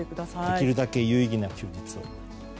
できるだけ有意義な休日を。